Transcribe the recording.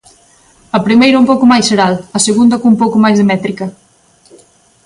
A primeira un pouco máis xeral, a segunda cun pouco máis de métrica.